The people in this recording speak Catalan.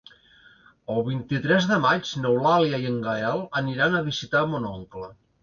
El vint-i-tres de maig n'Eulàlia i en Gaël aniran a visitar mon oncle.